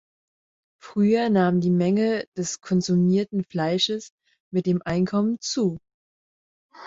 Früher nahm die Menge des konsumierten Fleisches mit dem Einkommen zu.